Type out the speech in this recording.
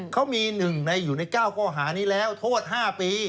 เขามี๑ในอยู่ใน๙ข้อหานี้แล้วโทษ๕ปี